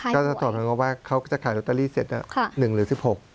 ก็จะสอบถึงว่าเขาจะขายลูตโตเตอรี่เศรษฐ์๑หรือ๑๖